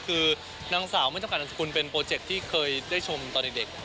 คือนางสาวไม่จำกัดนามสกุลเป็นโปรเจคที่เคยได้ชมตอนเด็ก